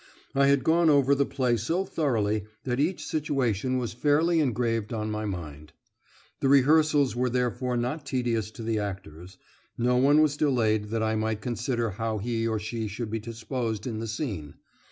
I had gone over the play so thoroughly that each situation was fairly engraved on my mind. The rehearsals were therefore not tedious to the actors; no one was delayed that I might consider how he or she should be disposed in the scene.